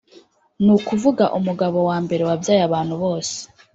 ni ukuvuga umugabo wa mbere wabyaye abantu bose.